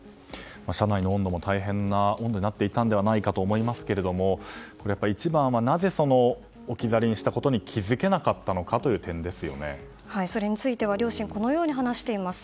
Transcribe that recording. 車内も大変な温度になっていたと思いますが一番はなぜ置き去りにしたことに気付けなかったのかそれについては両親はこのように話しています。